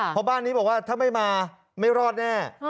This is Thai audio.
เพราะบ้านนี้บอกว่าถ้าไม่มาไม่รอดแน่